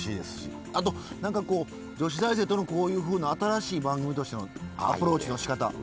あと何かこう女子大生とのこういうふうな新しい番組としてのアプローチのしかた。